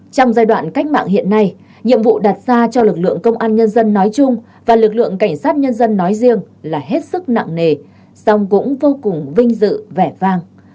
trong giai đoạn cách mạng hiện nay nhiệm vụ đặt ra cho lực lượng công an nhân dân nói chung và lực lượng cảnh sát nhân dân nói riêng là hết sức nặng nề song cũng vô cùng vinh dự vẻ vàng